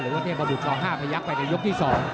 หรือว่าเทพก็ดูดต่อ๕พยักษณ์ไปในยกที่๒